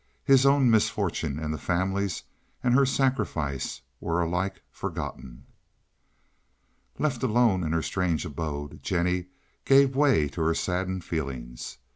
His own misfortune and the family's and her sacrifice were alike forgotten. Left alone in her strange abode, Jennie gave way to her saddened feelings.